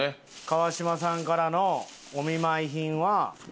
川島さんからのお見舞い品は。